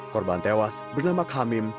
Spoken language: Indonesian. korban tewas bernama khamim